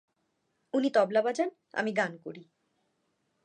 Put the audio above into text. উনি তবলা বাজান, আমি গান করি।